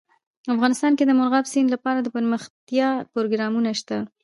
افغانستان کې د مورغاب سیند لپاره دپرمختیا پروګرامونه شته.